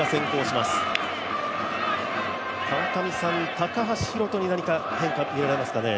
高橋宏斗に何か変化、見られますかね。